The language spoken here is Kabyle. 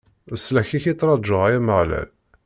D leslak-ik i ttṛaǧuɣ, ay Ameɣlal!